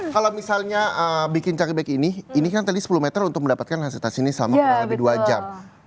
kalau misalnya bikin cakebag ini ini kan tadi sepuluh meter untuk mendapatkan hand sanitasi ini selama kurang lebih dua jam